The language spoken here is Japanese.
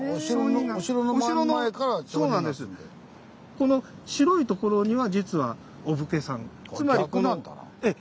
この白いところには実はお武家さん。